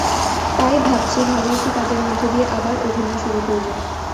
তাই ভাবছি, ভালো একটি কাজের মধ্য দিয়ে আবার অভিনয় শুরু করব।